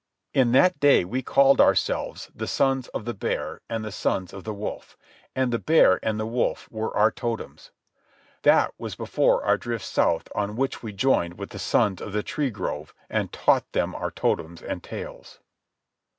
In that day we called ourselves the Sons of the Bear and the Sons of the Wolf, and the bear and the wolf were our totems. That was before our drift south on which we joined with the Sons of the Tree Grove and taught them our totems and tales.